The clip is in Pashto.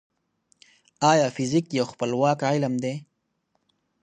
ايا فزيک يو خپلواک علم دی؟